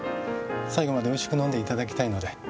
最後までおいしく飲んでいただきたいので。